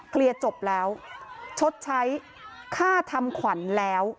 เคลียร์จบแล้วชดใช้ค่าทำขวัญแล้ว